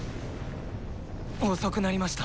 遅くなりました